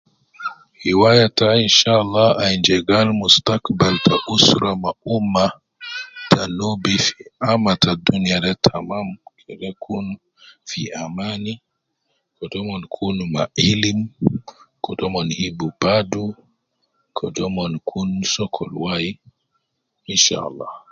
Hiwaya tai inshallah ainu je gal mustakbal ta usra ma ummah ta nubi fi ama ta dunia de tamam kede kun fi amani, kede umon kun ma ilim, kede umon hibu badu, kede umon kun sokol wai inshallah.